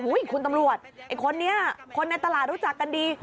คุณตำรวจไอ้คนนี้คนในตลาดรู้จักกันดี